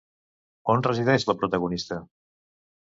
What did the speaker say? On resideix la protagonista?